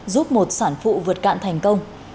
giúp một sản phụ vượt cạn thành công